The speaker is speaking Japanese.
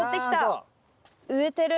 植えてる。